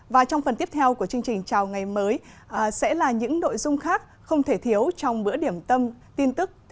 và trong phần tiếp theo của chương trình chào ngày mới sẽ là những nội dung khác không thể thiếu trong bữa điểm tâm tin tức